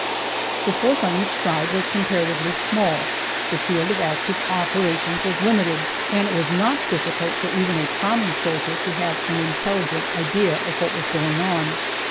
The force on each side was comparatively small, the field of active operations was limited, and it was not difficult for even a common soldier to have an intelligent idea of what was going on.